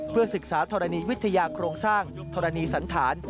เพื่อศึกษาธรณีวิทยาโครงสร้างธรณีสันธาร